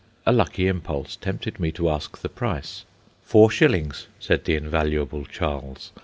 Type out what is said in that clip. A lucky impulse tempted me to ask the price. "Four shillings," said the invaluable Charles.